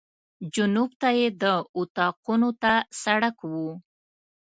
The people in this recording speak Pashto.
جنوب ته یې د اطاقونو ته سړک و.